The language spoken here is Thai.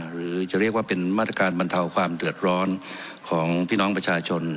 หรือจะเรียกว่าเป็นมาตรการบรรเทาความเดือดร้อนของพี่น้องประชาชน